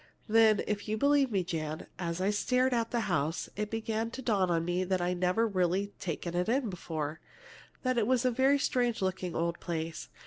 "And then, if you'll believe me, Jan, as I stared at that house it began to dawn on me that I'd never really 'taken it in' before that it was a very strange looking old place.